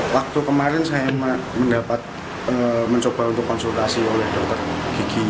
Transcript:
waktu kemarin saya mendapat mencoba untuk konsultasi oleh dokter gigi